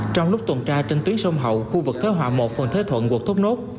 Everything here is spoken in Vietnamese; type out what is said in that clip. trong lúc tuần tra trên tuyến sông hậu khu vực thế họa một phần thế thuận quộc thốt nốt